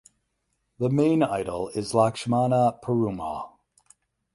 The main idol is Lakshmana Perumal.